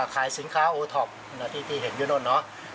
ขายสินค้าโอท็อปที่เห็นอยู่โน่นเนอะ